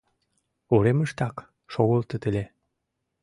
Уремыштак шогылтыт ыле.